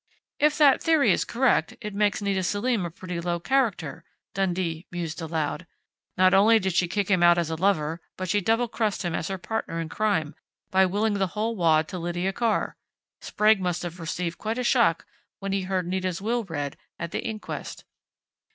"If that theory is correct, it makes Nita Selim a pretty low character," Dundee mused aloud. "Not only did she kick him out as a lover, but she double crossed him as her partner in crime, by willing the whole wad to Lydia Carr. Sprague must have received quite a shock when he heard Nita's will read at the inquest."